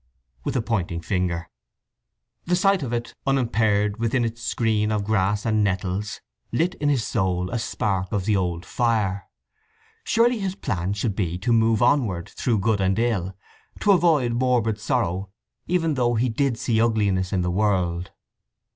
[with a pointing finger]] The sight of it, unimpaired, within its screen of grass and nettles, lit in his soul a spark of the old fire. Surely his plan should be to move onward through good and ill—to avoid morbid sorrow even though he did see uglinesses in the world?